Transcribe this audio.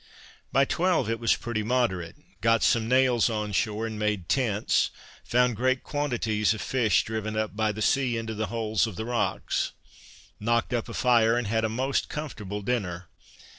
By twelve it was pretty moderate; got some nails on shore and made tents; found great quantities of fish driven up by the sea into the holes of the rocks; knocked up a fire, and had a most comfortable dinner.